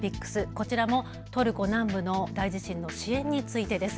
こちらもトルコ南部の大地震の支援についてです。